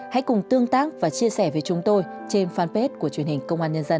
hãy cùng tương tác và chia sẻ với chúng tôi trên fanpage của truyền hình công an nhân dân